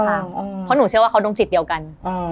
เพราะหนูเชื่อว่าเขาดวงจิตเดียวกัน